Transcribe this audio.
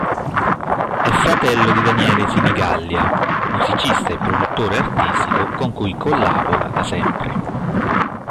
È fratello di Daniele Sinigallia, musicista e produttore artistico con cui collabora da sempre.